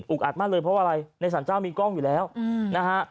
อัดมากเลยเพราะว่าอะไรในสรรเจ้ามีกล้องอยู่แล้วนะฮะ